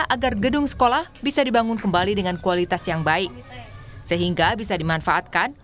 agar gedung sekolah bisa dibangun kembali dengan kualitas yang baik sehingga bisa dimanfaatkan